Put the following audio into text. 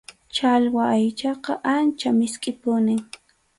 Challwa aychaqa ancha miskʼipunim.